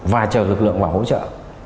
và chờ lực lượng và hỗ trợ